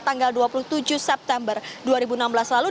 tanggal dua puluh tujuh september dua ribu enam belas lalu